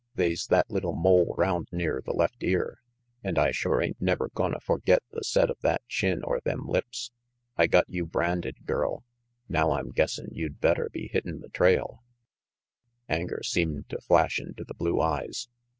They's that little mole round near the left ear, and I sure ain't never gonna forget the set of that chin or them lips. I got you branded, girl; now I'm guessin' you'd better be hitting the trail " x\nger seemed to flash into the blue eyes.